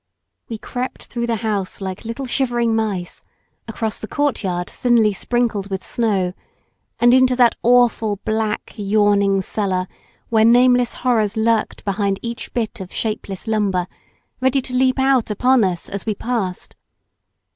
We crept through the house like little shivering mice across the courtyard, thinly sprinkled with snow, and into that awful black yawning cellar where nameless horrors lurked behind each bit of shapeless lumber, ready to leap out upon us as we passed.